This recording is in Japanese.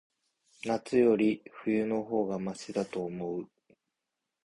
夏より、冬の方がましだと思う。